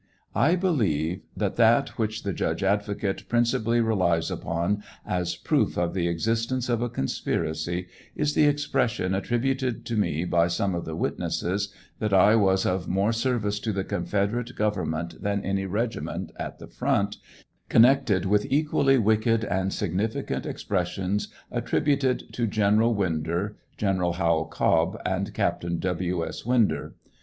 I believe that that which the judge advocate piincipally relies upon as proof of the existence of a conspiracy is the expression attributed to me by some of the witnesses, that I was of more service to the confederate government than any regiment at the front, connected with equally wicked and significant expres sions attributed to Greneral Winder, Greneral Howell Cobb, and Captain W. S. Winder.